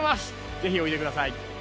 ぜひおいでください。